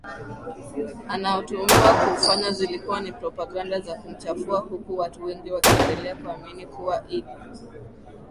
anaotuhumiwa kuufanya zilikuwa ni propaganda za kumchafua huku watu wengi wakiendelea kuamini kuwa Idi